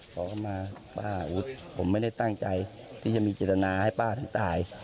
ขอเข้ามาป้าผมไม่ได้ตั้งใจที่จะมีเจตนาให้ป้าถึงตาย